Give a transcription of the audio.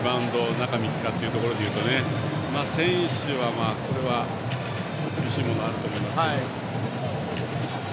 中３日っていうところで言うと選手はそれは、厳しいものはあると思いますが。